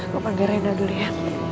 kau panggilin dulu ya